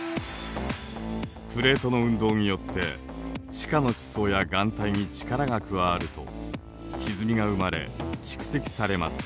プレートの運動によって地下の地層や岩体に力が加わるとひずみが生まれ蓄積されます。